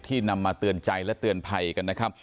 นำมาเตือนใจและเตือนภัยกันนะครับ